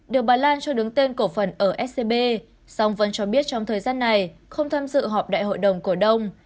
được bài lan cho đứng tên cổ phần ở scb song vân cho biết trong thời gian này không tham dự họp đại hội đồng cổ đông